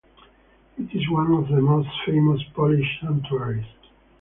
It is one of the most famous Polish sanctuaries.